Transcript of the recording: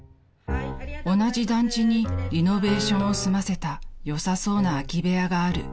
［同じ団地にリノベーションを済ませた良さそうな空き部屋がある］